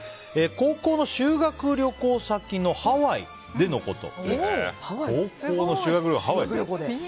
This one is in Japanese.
高校の修学旅行先のハワイでのこと。